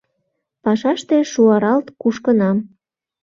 Пашаште шуаралт кушкынам.